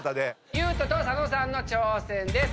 裕翔と佐野さんの挑戦です。